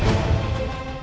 aku akan menang